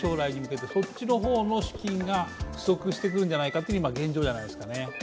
そっちの方の資金が不足してくるんじゃないかというのが現状じゃないでしょうか。